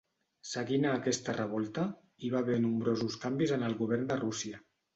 Seguint a aquesta revolta, hi va haver nombrosos canvis en el govern de Rússia.